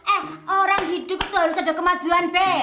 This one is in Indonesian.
eh orang hidup itu harus ada kemajuan b